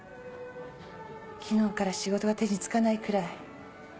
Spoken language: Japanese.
昨日から仕事が手につかないくらい。